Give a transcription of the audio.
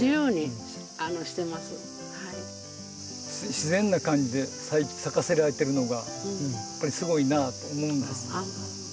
自然な感じで咲かせられてるのがやっぱりすごいなと思うんです。